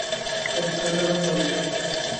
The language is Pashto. تر کله پورې